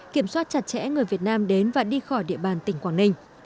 kiểm soát chặt chẽ người việt nam đến và đi khỏi địa bàn tỉnh quảng ninh